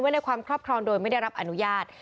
ในความครอบครองโดยไม่ได้รับอนุญาต